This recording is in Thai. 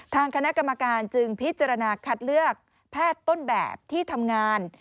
ทางคณะกรรมการจึงพิจารณาคัดเลือกแพทย์ต้นแบบที่ทำงาน